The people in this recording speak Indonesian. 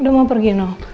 udah mau pergi no